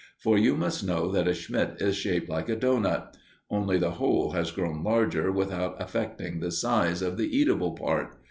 For you must know that a smit is shaped like a doughnut. (Only the hole has grown larger without affecting the size of the eatable part.